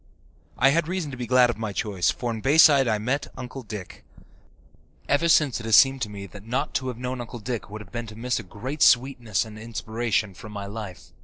I had reason to be glad of my choice, for in Bayside I met Uncle Dick. Ever since it has seemed to me that not to have known Uncle Dick would have been to miss a great sweetness and inspiration from my life.